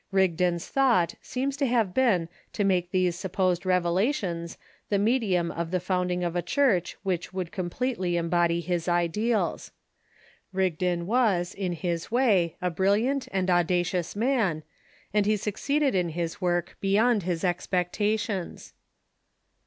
Rigdon's thought seems to have been to make these supposed revelations the medium of the founding of a Church which would completely embody his ideals. Rig don was, in his way, a brilliant and audacious man, and he suc ceeded in his work beyond his expectations.